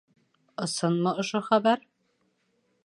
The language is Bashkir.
Ысынмы ошо хәбәр?